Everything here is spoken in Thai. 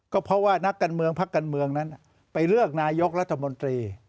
ก็เพราะว่านักการเมืองพักการเมืองนั้นไปเลือกนายกรัฐมนตรี